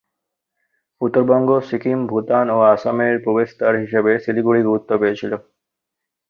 উত্তরবঙ্গ, সিকিম, ভুটান ও আসামের প্রবেশদ্বার হিসাবে শিলিগুড়ি গুরুত্ব পেয়েছিল।